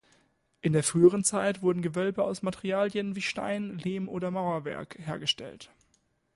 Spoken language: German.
In der früheren Zeit wurden Gewölbe aus Materialien wie Stein, Lehm und Mauerwerk hergestellt.